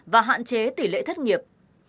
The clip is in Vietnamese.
và hạn chế tỉ lệ thất nghiệp